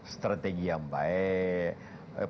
strategi yang baik